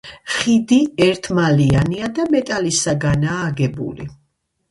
ხიდი ერთმალიანია და მეტალისგანაა აგებული.